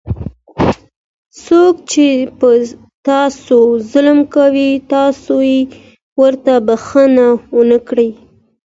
څوک چې په تاسو ظلم کوي تاسې ورته بښنه وکړئ.